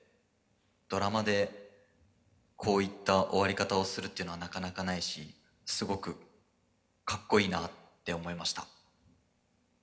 ドラマでこういった終わり方をするっていうのはなかなかないしすごくかっこいいなって思いました」。